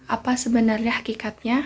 apa sebenarnya hakikatnya